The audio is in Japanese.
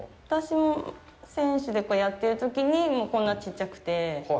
私も選手でやってるときにこんなちっちゃくて。